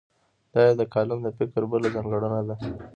دا یې د کالم د فکر بله ځانګړنه ده.